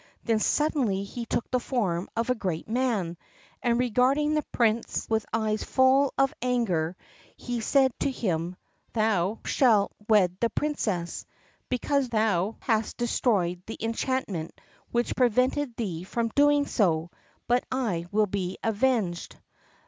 Then suddenly he took the form of a great man, and regarding the Prince with eyes full of anger, he said to him, "Thou shalt wed the Princess, because thou hast destroyed the enchantment which prevented thee from doing so, but I will be avenged.